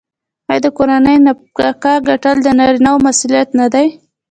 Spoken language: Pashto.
آیا د کورنۍ نفقه ګټل د نارینه مسوولیت نه دی؟